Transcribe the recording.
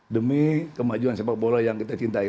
demi kemajuan sepak bola yang kita cintai